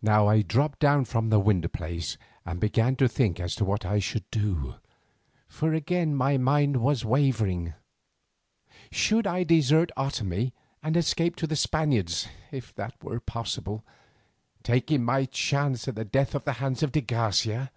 Now I dropped down from the window place and began to think as to what I should do, for again my mind was wavering. Should I desert Otomie and escape to the Spaniards if that were possible, taking my chance of death at the hands of de Garcia?